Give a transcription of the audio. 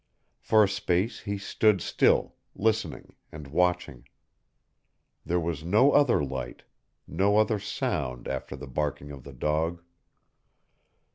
For a space he stood still, listening and watching. There was no other light, no other sound after the barking of the dog.